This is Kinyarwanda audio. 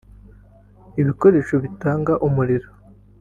ibikoresho bitanga umuriro